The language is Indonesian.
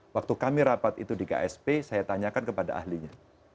waktu kami rapat itu di ksp saya tanyakan kepada ahlinya